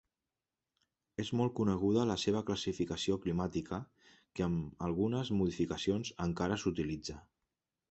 És molt coneguda la seva classificació climàtica que amb algunes modificacions encara s'utilitza.